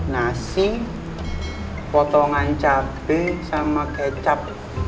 nasi potongan cabai sama kecap